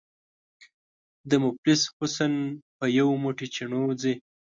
” د مفلس حُسن په یو موټی چڼو ځي”